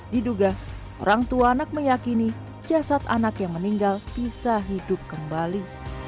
diduga orang tua anak meyakini jasad anak yang meninggal bisa hidup kembali